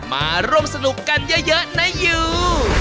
มาร่วมสนุกกันเยอะนะยู